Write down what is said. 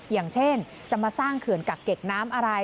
อย่างเช่นจะมาสร้างเขื่อนกักเก็บน้ำอะไร